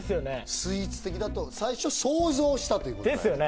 スイーツ的だと最初想像したということですよね